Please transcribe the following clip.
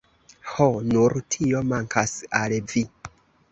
Ho, nur tio mankas al vi!